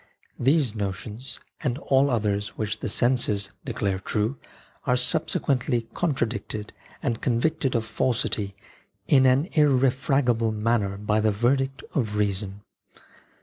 These notions, and all others which the senses declare true, are subsequently con tradicted and convicted of falsity in an irre fragable manner by the verdict of reason.